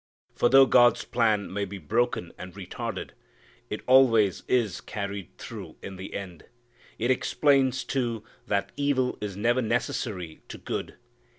For though God's plan may be broken, and retarded, it always is carried through in the end. It explains too that evil is never necessary to good.